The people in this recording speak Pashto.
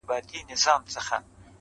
د زړگي شال دي زما پر سر باندي راوغوړوه.